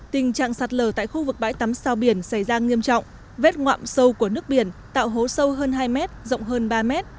tình trạng sạt lở tại khu vực bãi tắm sao biển xảy ra nghiêm trọng vết ngạm sâu của nước biển tạo hố sâu hơn hai mét rộng hơn ba m